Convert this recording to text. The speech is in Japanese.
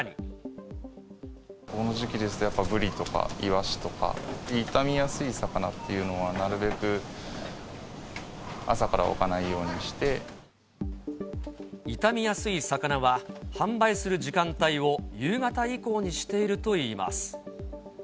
この時期ですと、やっぱブリとかイワシとか、傷みやすい魚っていうのは、なるべく朝から置かないようにし傷みやすい魚は、販売する時間帯を夕方以降にしているといいます。